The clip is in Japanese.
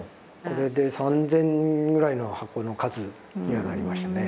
これで３，０００ぐらいの箱の数にはなりましたね。